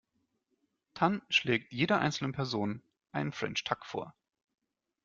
Tan schlägt jeder einzelnen Person einen French Tuck vor.